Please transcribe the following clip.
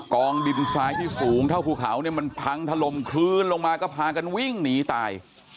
กองดินทรายที่สูงเท่าภูเขาเนี่ยมันพังถล่มคลื้นลงมาก็พากันวิ่งหนีตาย